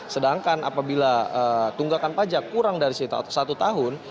sedangkan apabila tunggakan pajak kurang dari satu tahun